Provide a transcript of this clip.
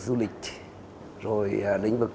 du lịch rồi lĩnh vực